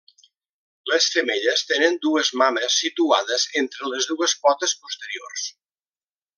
Les femelles tenen dues mames situades entre les dues potes posteriors.